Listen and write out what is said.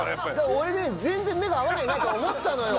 俺ね全然目が合わないなとは思ったのよ。